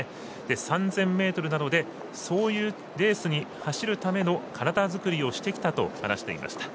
３０００ｍなのでそういうレースに走るための体づくりをしてきたと話していました。